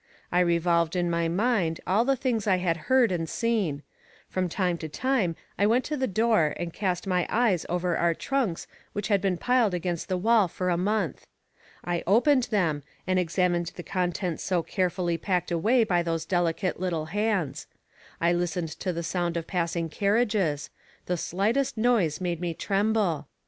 I revolved in my mind all the things I had heard and seen; from time to time, I went to the door and cast my eyes over our trunks which had been piled against the wall for a month; I opened them and examined the contents so carefully packed away by those delicate little hands; I listened to the sound of passing carriages; the slightest noise made me tremble.